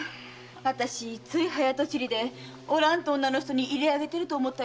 あたしつい早とちりでお蘭って女の人に入れあげてると思ったりして。